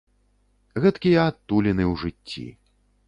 Гэткія адтуліны ў жыцці.